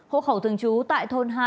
hỗ khẩu thường trú tại thôn hai